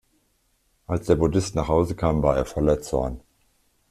Als der Buddhist nach Hause kam war er voller Zorn.